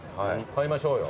買いましょうよ。